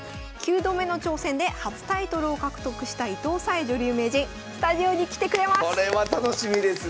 ９度目の挑戦で初タイトルを獲得した伊藤沙恵女流名人スタジオに来てくれます！